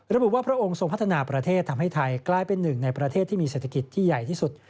ระบุว่าพระองค์ทรงพัฒนาประเทศทำให้ไทยกลายเป็นหนึ่งในประเทศที่มีเศรษฐกิจที่ใหญ่ที่สุด